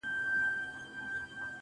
د ميني اوبه وبهېږي.